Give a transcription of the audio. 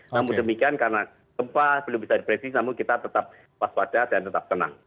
namun demikian karena gempa belum bisa diprediksi namun kita tetap waspada dan tetap tenang